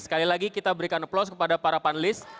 sekali lagi kita berikan aplaus kepada para panelis